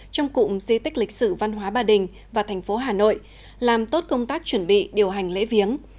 trong cụm di tích lịch sử văn hóa bà đình và thành phố hà nội làm tốt công tác chuẩn bị điều hành lễ viếng